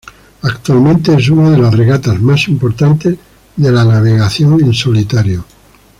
Actualmente es una de las regatas más importantes de la navegación en solitario.